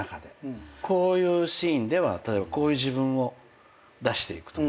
こういうシーンではこういう自分を出していくとか。